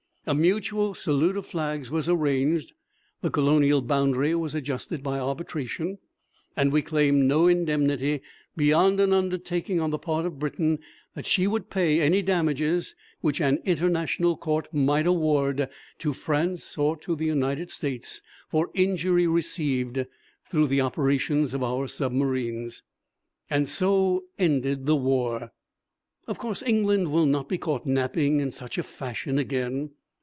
A mutual salute of flags was arranged, the Colonial boundary was adjusted by arbitration, and we claimed no indemnity beyond an undertaking on the part of Britain that she would pay any damages which an International Court might award to France or to the United States for injury received through the operations of our submarines. So ended the war! Of course, England will not be caught napping in such a fashion again!